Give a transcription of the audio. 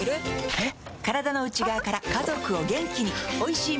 えっ？